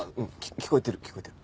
聞こえてる聞こえてる。